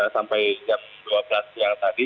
sampai jam dua belas siang tadi